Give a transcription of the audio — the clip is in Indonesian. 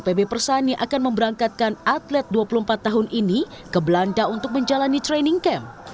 pb persani akan memberangkatkan atlet dua puluh empat tahun ini ke belanda untuk menjalani training camp